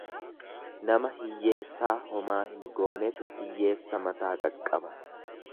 Nama hiyyeessaa homaa hin goonetu hiyyeessa mataa qaqqaba.